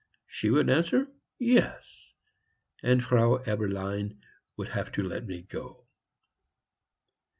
she would answer, "Yes," and Frau Eberlein would have to let me go.